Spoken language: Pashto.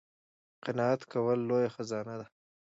قناعت کول لویه خزانه ده